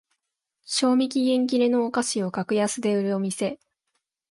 賞味期限切れのお菓子を格安で売るお店